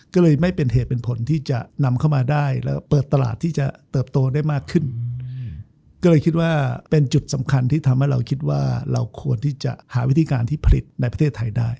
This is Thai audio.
ก็เลยไม่เป็นเหตุเป็นผลที่จะนำเข้ามาได้แล้วเปิดตลาดที่จะเติบโตได้มากขึ้นก็เลยคิดว่าเป็นจุดสำคัญที่ทำให้เราคิดว่าเราควรที่จะหาวิธีการที่ผลิตในประเทศไทยได้